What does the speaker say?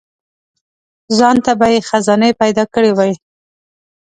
ځانته به یې خزانې پیدا کړي وای.